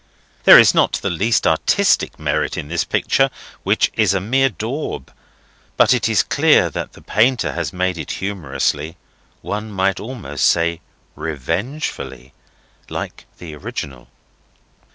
(There is not the least artistic merit in this picture, which is a mere daub; but it is clear that the painter has made it humorously—one might almost say, revengefully—like the original.)